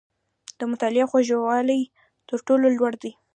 • د مطالعې خوږوالی، تر ټولو لوړ دی.